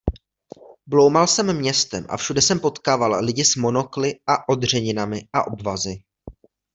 Bloumal jsem městem a všude jsem potkával lidi s monokly a odřeninami a obvazy.